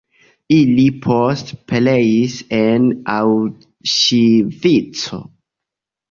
Ili poste pereis en Aŭŝvico.